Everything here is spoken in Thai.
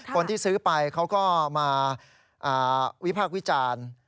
คนที่ซื้อไปเขาก็มาวิพากษ์วิจารณ์